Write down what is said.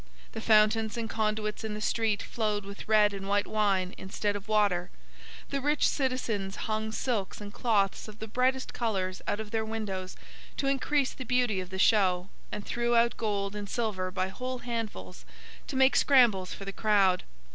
The fountains and conduits in the street flowed with red and white wine instead of water; the rich citizens hung silks and cloths of the brightest colours out of their windows to increase the beauty of the show, and threw out gold and silver by whole handfuls to make scrambles for the crowd.